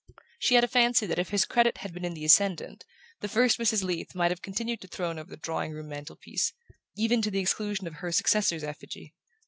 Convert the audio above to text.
She had a fancy that if his credit had been in the ascendant the first Mrs. Leath might have continued to throne over the drawing room mantel piece, even to the exclusion of her successor's effigy.